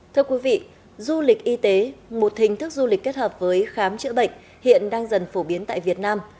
thưa quý vị du lịch y tế một hình thức du lịch kết hợp với khám chữa bệnh hiện đang dần phổ biến tại việt nam